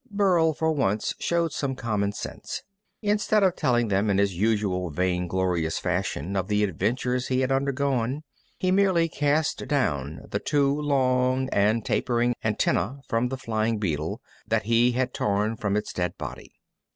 Burl, for once, showed some common sense. Instead of telling them in his usual vainglorious fashion of the adventures he had undergone, he merely cast down the two long and tapering antennæ from the flying beetle that he had torn from its dead body.